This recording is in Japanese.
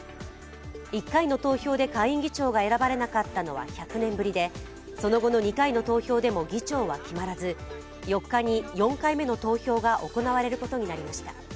１回の投票で下院議長が選ばれなかったのは１００年ぶりで、その後の２回の投票でも議長は決まらず、４日に４回目の投票が行われることになりました。